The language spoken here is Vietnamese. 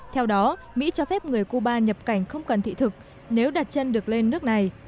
theo đó mỹ cho phép người cuba nhập cảnh không cần thị thực nếu đặt chân được lên nước này